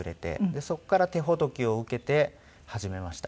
そこから手ほどきを受けて始めました。